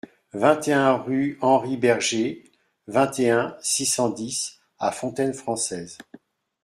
vingt et un rue Henry Berger, vingt et un, six cent dix à Fontaine-Française